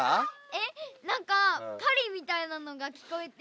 えっなんかパリみたいなのが聞こえて。